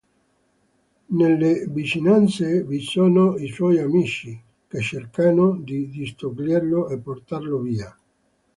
Nelle vicinanze vi sono i suoi amici, che cercano di distoglierlo e portarlo via.